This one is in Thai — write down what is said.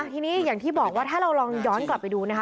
ทีนี้อย่างที่บอกว่าถ้าเราลองย้อนกลับไปดูนะคะ